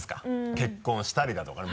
結婚したりだとかね